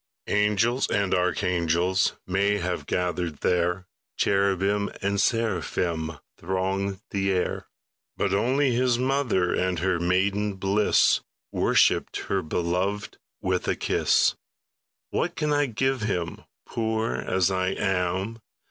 Angels and archangels May have gathered there, Cherubim and seraphim Thronged the air; But only His mother, In her maiden bliss, Worshipped the Beloved With a kiss. What can I give Him, Poor as I am?